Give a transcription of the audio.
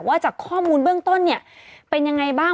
จากข้อมูลเบื้องต้นเนี่ยเป็นยังไงบ้าง